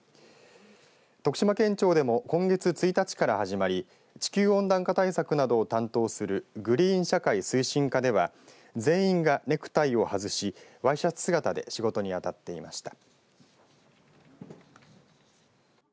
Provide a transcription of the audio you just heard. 徳島県庁でも今月１日から始まり地球温暖化対策などを担当するグリーン社会推進課では全員がネクタイを外しワイシャツ姿で仕事にあたっていました。